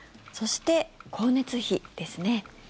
そして、光熱費ですね。